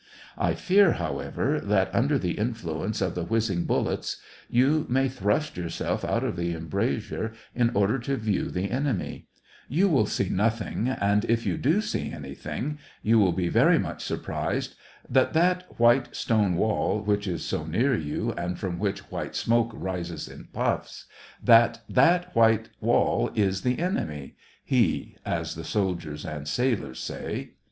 I fear, however, that, under the influence of the whizzing bullets, you may 28 SEVASTOPOL IN DECEMBER. thrust yourself out of the embrasure in order to view the enemy; you will see nothing, and, if you do see anything, you will be very much surprised that that white stone wall, which is so near you and from which white smoke rises in puffs, — that that white wall is the enemy — he, as the soldiers and sailors say.